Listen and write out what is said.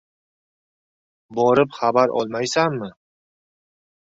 Borib xabar olmaysanmi? —